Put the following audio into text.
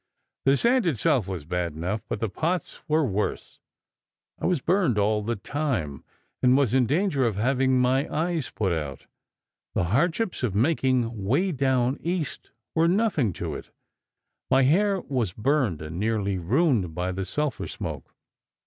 The sand itself was bad enough, but the pots were worse. I was burned all the time, and was in danger of having my eyes put out. The hardships of making 'Way Down East' were nothing to it. My hair was burned and nearly ruined by the sulphur smoke.